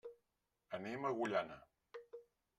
Anem a Agullana.